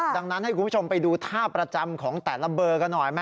ดังนั้นให้คุณผู้ชมไปดูท่าประจำของแต่ละเบอร์กันหน่อย